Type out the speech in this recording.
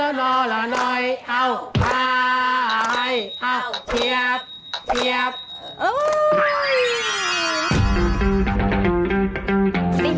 เอาเทียบเทียบ